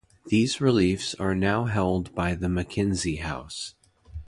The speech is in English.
These reliefs are now held by the Mackenzie House.